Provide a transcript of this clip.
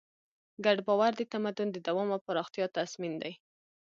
ګډ باور د تمدن د دوام او پراختیا تضمین دی.